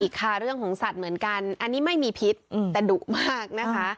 ค่ะเรื่องของสัตว์เหมือนกันอันนี้ไม่มีพิษแต่ดุมากนะคะ